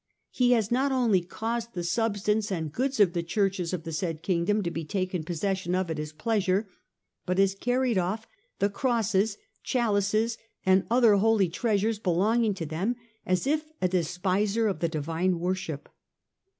He has not only caused the substance and goods of the churches of the said Kingdom to be taken possession of at his pleasure, but has carried off the crosses, chalices and other holy treasures belonging to them, as if a despiser of the divine worship.